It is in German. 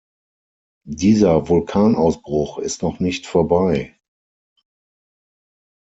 Dieser Vulkanausbruch ist noch nicht vorbei.